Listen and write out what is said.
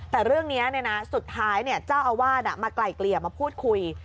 แต่เรื่องเนี้ยนะสุดท้ายเนี้ยเจ้าอาวาสอ่ะมาไกล่เกลี่ยมาพูดคุย